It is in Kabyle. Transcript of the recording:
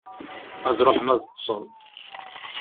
Ad ruḥen ad ṭṭsen.